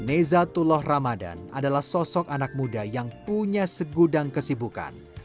nezatullah ramadan adalah sosok anak muda yang punya segudang kesibukan